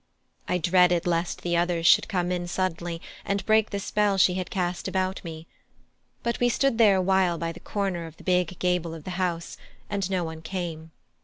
I dreaded lest the others should come in suddenly and break the spell she had cast about me; but we stood there a while by the corner of the big gable of the house, and no one came.